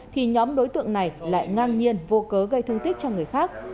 thì nhóm đối tượng này lại ngang nhiên vô cớ gây thương tích cho người khác